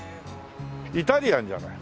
イタリアンじゃない？